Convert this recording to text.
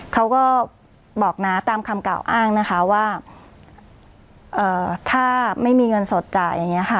เขาก็บอกนะตามคำกล่าวอ้างนะคะว่าถ้าไม่มีเงินสดจ่ายอย่างนี้ค่ะ